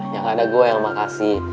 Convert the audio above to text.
yang gak ada gue yang makasih